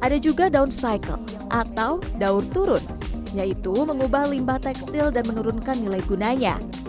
ada juga down cycle atau daur turun yaitu mengubah limbah tekstil dan menurunkan nilai gunanya